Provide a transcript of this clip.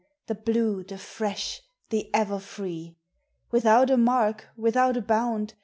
The blue, the fresh, the ever free! Without a mark, without a bound.